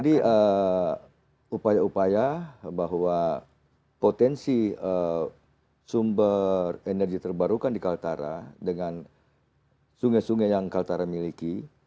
jadi upaya upaya bahwa potensi sumber energi terbarukan di kaltara dengan sungai sungai yang kaltara miliki